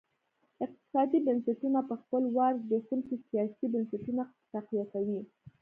اقتصادي بنسټونه په خپل وار زبېښونکي سیاسي بنسټونه تقویه کوي.